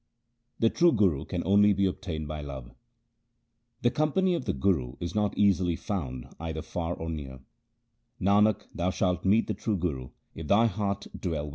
The true Guru can only be obtained by love :— The company of the Guru is not easily found either far or near ; Nanak, thou shalt meet the true Guru if thy heart dwell with him.